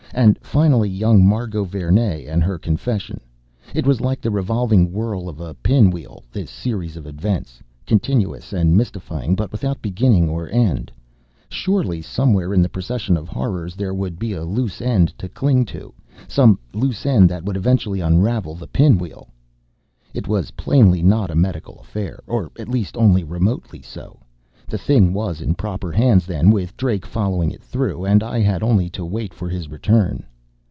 And, finally, young Margot Vernee, and her confession. It was like the revolving whirl of a pinwheel, this series of events: continuous and mystifying, but without beginning or end. Surely, somewhere in the procession of horrors, there would be a loose end to cling to. Some loose end that would eventually unravel the pinwheel! It was plainly not a medical affair, or at least only remotely so. The thing was in proper hands, then, with Drake following it through. And I had only to wait for his return.